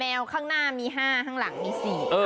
ข้างหน้ามี๕ข้างหลังมี๔